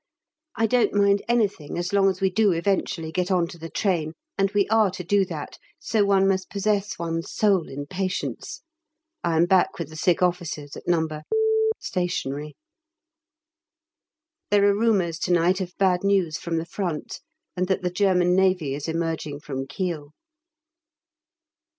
I don't mind anything as long as we do eventually get on to the train, and we are to do that, so one must possess one's soul in patience. I am back with the sick officers at No. Stationary. There are rumours to night of bad news from the front, and that the German Navy is emerging from Kiel.